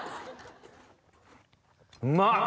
うまっ！